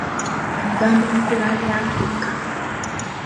Nva mu kkula lya Africa